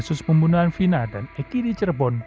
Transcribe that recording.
kasus pembunuhan vina dan eki di cirebon